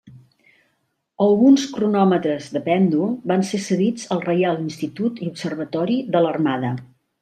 Alguns cronòmetres de pèndol van ser cedits al Reial Institut i Observatori de l'Armada.